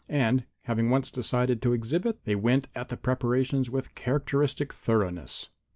And, having once decided to exhibit, they went at the preparations with characteristic thoroughness.